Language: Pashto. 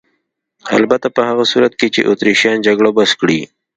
البته په هغه صورت کې چې اتریشیان جګړه بس کړي.